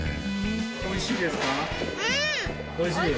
美味しいですか？